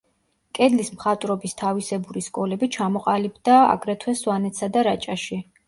კედლის მხატვრობის თავისებური სკოლები ჩამოყალიბდა აგრეთვე სვანეთსა და რაჭაში.